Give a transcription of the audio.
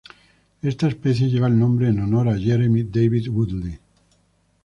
Esta especie lleva el nombre en honor a Jeremy David Woodley.